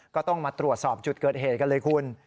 ก็ต้องมาตรวจสอบจุดเกิดเหตุกันเลยคุณ